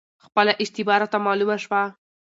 خپله اشتباه راته معلومه شوه،